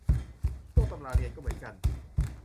พวกตำราเรียนก็เหมือนกัน